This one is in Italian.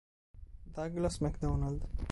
Douglas McDonald